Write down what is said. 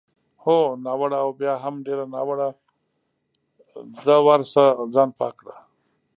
هو، ناوړه او بیا هم ډېر ناوړه، ځه ورشه ځان پاک کړه.